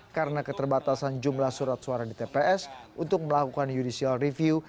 karena keterbatasan jumlah surat suara di tps untuk melakukan judicial review